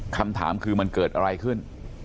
คำถามคือมันเกิดอะไรขึ้น